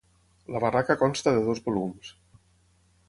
La barraca consta de dos volums.